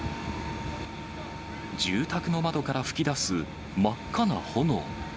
住宅の窓から噴き出す真っ赤な炎。